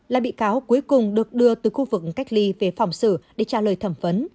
là bị cáo cuối cùng được đưa từ khu vực cách ly về phòng xử để trả lời thẩm vấn